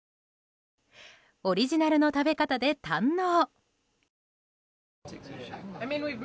オリジナルの食べ方で堪能。